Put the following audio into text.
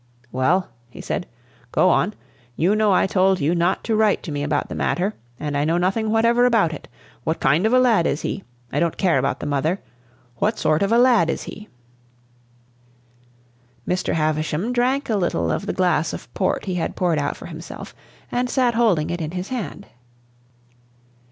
"Well," he said; "go on. You know I told you not to write to me about the matter, and I know nothing whatever about it. What kind of a lad is he? I don't care about the mother; what sort of a lad is he?" Mr. Havisham drank a little of the glass of port he had poured out for himself, and sat holding it in his hand.